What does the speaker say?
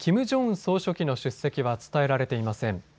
総書記の出席は伝えられていません。